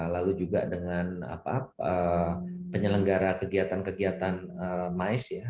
lalu juga dengan penyelenggara kegiatan kegiatan mice